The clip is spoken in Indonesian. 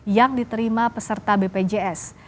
yang diterima peserta bpjs